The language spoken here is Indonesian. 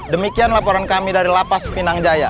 demikian laporan kami dari lapas pinang jaya